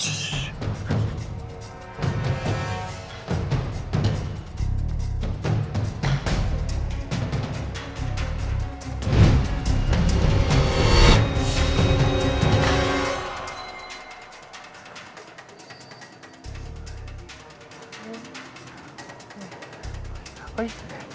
เฮ้ย